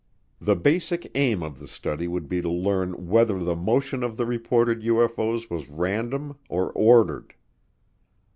The basic aim of the study would be to learn whether the motion of the reported UFO's was random or ordered.